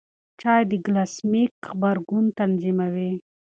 چای د ګلاسیمیک غبرګون تنظیموي.